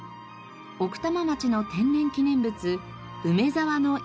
奥多摩町の天然記念物梅沢のイヌグス。